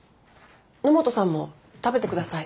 野本さんも食べて下さい。